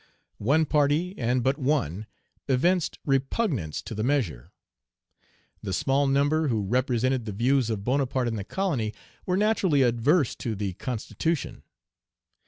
One party, and but one, evinced repugnance to the measure. The small number who represented the views of Bonaparte in the colony were naturally adverse to the constitution.